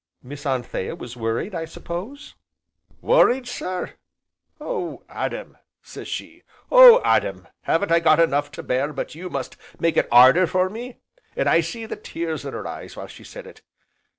"Miss Anthea was worried, I suppose?" "Worried, sir! 'Oh Adam!' sez she, 'Oh Adam! 'aven't I got enough to bear but you must make it 'arder for me?' An' I see the tears in her eyes while she said it.